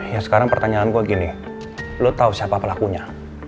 ya sekarang pertanyaanku gini lo tahu siapa pelakunya